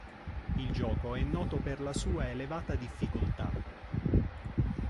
Il gioco è noto per la sua elevata difficoltà.